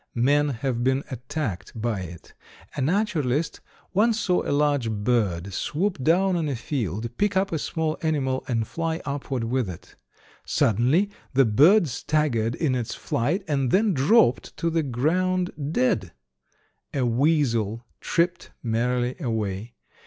Men have been attacked by it. A naturalist once saw a large bird swoop down on a field, pick up a small animal and fly upward with it. Suddenly the bird staggered in its flight, and then dropped to the ground dead. A weasel tripped merrily away.